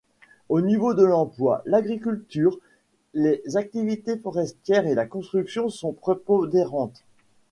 Au niveau de l'emploi, l'agriculture, les activités forestières et la construction sont prépondérantes.